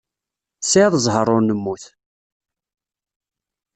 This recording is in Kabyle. Tesɛiḍ ẓẓher ur nemmut.